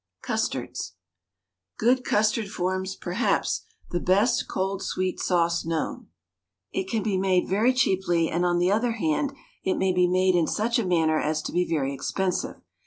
CUSTARDS. Good custard forms, perhaps, the best cold sweet sauce known. It can be made very cheaply, and, on the other hand, it may be made in such a manner as to be very expensive.